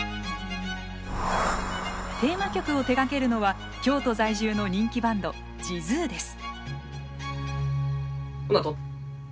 テーマ曲を手がけるのは京都在住の人気バンドｊｉｚｕｅです。